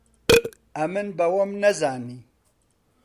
ئەمن بە وەم نەزانی